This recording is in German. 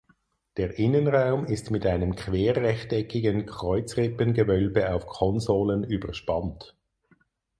Der Innenraum ist mit einem querrechteckigen Kreuzrippengewölbe auf Konsolen überspannt.